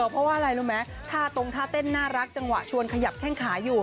เพราะว่าอะไรรู้ไหมท่าตรงท่าเต้นน่ารักจังหวะชวนขยับแข้งขาอยู่